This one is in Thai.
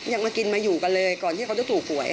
ยังกินมาอยู่กันเลยก่อนที่ต้องถูหวย